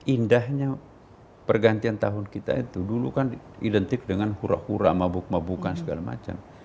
indahnya pergantian tahun kita itu dulu kan identik dengan hura hura mabuk mabukan segala macam